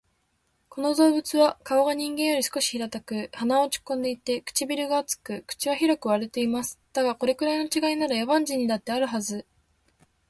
この動物は顔が人間より少し平たく、鼻は落ち込んでいて、唇が厚く、口は広く割れています。だが、これくらいの違いなら、野蛮人にだってあるはず